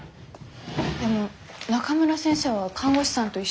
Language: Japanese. でも中村先生は看護師さんと一緒。